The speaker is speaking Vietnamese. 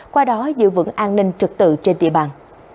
qua đó giữ vững an ninh trực tự trên địa bàn